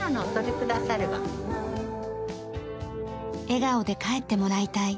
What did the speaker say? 笑顔で帰ってもらいたい。